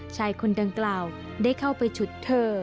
ชายคนดังกล่าวได้เข้าไปฉุดเธอ